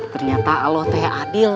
ternyata allah tuh yang adil